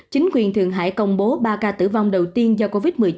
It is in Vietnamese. chính quyền thượng hải công bố ba ca tử vong đầu tiên do covid một mươi chín